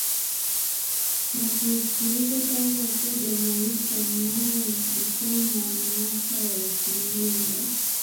na kuisikiliza tangu akiwa Jamaika Mnamo mwishoni mwa miaka ya elfu moja mia